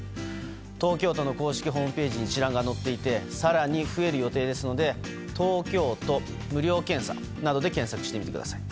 東京都の公式ホームページに一覧が載っていて更に増える予定ですので「東京都無料検査」などで検索してください。